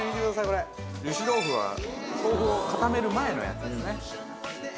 これゆし豆腐は豆腐を固める前のやつですね